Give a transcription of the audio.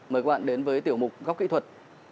mời các bạn đến với tiểu mục góc kỹ thuật